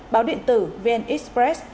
báo điện tử vn express